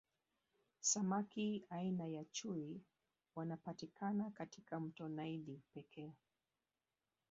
samaki aina ya chui wanapatikana katika mto naili pekee